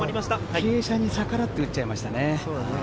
傾斜に逆らって打っちゃいましたね。